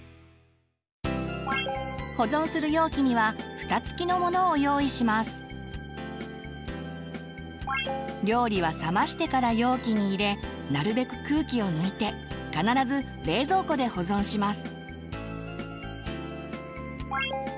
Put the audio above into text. ここで料理は冷ましてから容器に入れなるべく空気を抜いて必ず冷蔵庫で保存します。